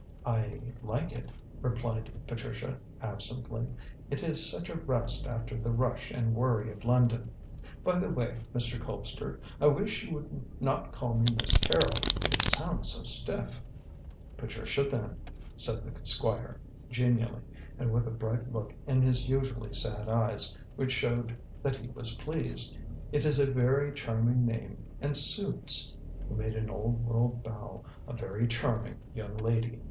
"I like it," replied Patricia absently; "it is such a rest after the rush and worry of London. By the way, Mr. Colpster, I wish you would not call me Miss Carrol: it sounds so stiff." "Patricia, then," said the Squire genially, and with a bright look in his usually sad eyes which showed that he was pleased; "it is a very charming name and suits" he made an old world bow "a very charming young lady."